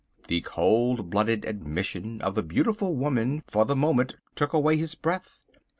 The cold blooded admission of the beautiful woman for the moment took away his breath!